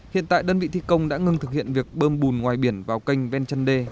hiện tại đơn vị thi công đã ngưng thực hiện việc bơm bùn ngoài biển vào kênh ven chân đê